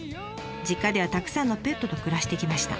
実家ではたくさんのペットと暮らしてきました。